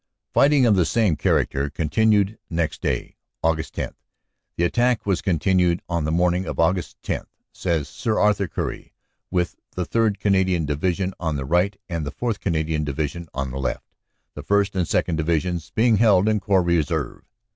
Fighting of the same character continued next day, Aug. 10. "The attack was continued on the morning of Aug. 10," says Sir Arthur Currie, "with the 3rd. Canadian Division on the right and the 4th. Canadian Division on the left, the 1st. and 2nd. Divisions being held in Corps Reserve.